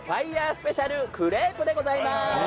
スペシャルクレープでございます。